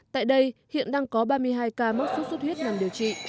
tại đây hiện đang có ba mươi hai ca mắc sốt xuất huyết nằm điều trị